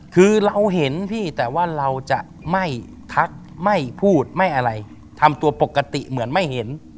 คือเราเห็นพี่แต่ว่าเราจะไม่ทักไม่พูดไม่อะไรทำตัวปกติเหมือนไม่เห็น